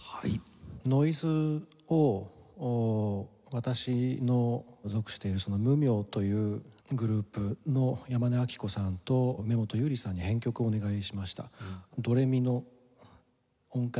ノイズを私の属しているｍｕｍｙｏというグループの山根明季子さんと梅本佑利さんに編曲をお願いしました。